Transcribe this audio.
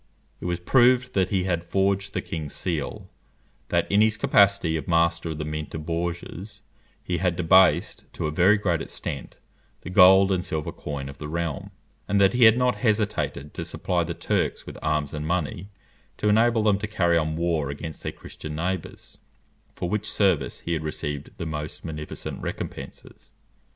It was proved that he had forged the king's seal; that in his capacity of master of the mint of Bourges, he had debased, to a very great extent, the gold and silver coin of the realm; and that he had not hesitated to supply the Turks with arms and money to enable them to carry on war against their Christian neighbours, for which service he had received the most munificent recompenses.